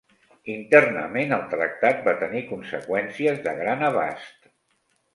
Internament, el tractat va tenir conseqüències de gran abast.